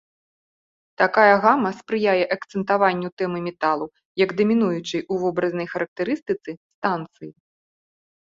Такая гама спрыяе акцэнтаванню тэмы металу, як дамінуючай у вобразнай характарыстыцы станцыі.